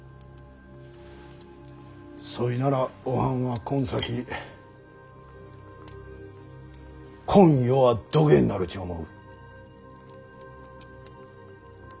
そいならおはんはこん先こん世はどげんなるち思う？